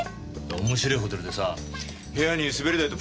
面白いホテルでさ部屋に滑り台とプールがついてる。